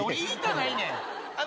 俺、言いたないねん。